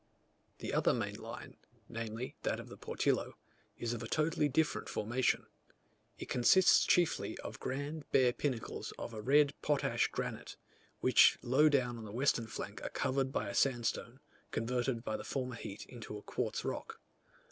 The other main line, namely, that of the Portillo, is of a totally different formation: it consists chiefly of grand bare pinnacles of a red potash granite, which low down on the western flank are covered by a sandstone, converted by the former heat into a quartz rock.